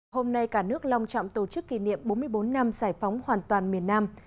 hôm nay cả nước lòng trọng tổ chức kỷ niệm bốn mươi bốn năm giải phóng hoàn toàn miền nam